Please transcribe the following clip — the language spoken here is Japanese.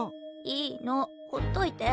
いいのほっといて。